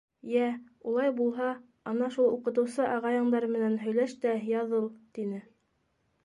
— Йә, улай булһа, ана шул уҡытыусы ағайыңдар менән һөйләш тә яҙыл, — тине.